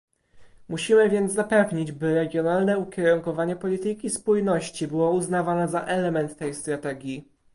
Musimy więc zapewnić, by regionalne ukierunkowanie polityki spójności było uznawane za element tej strategii